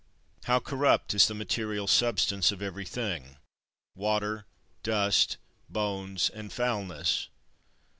36. How corrupt is the material substance of every thing, water, dust, bones, and foulness!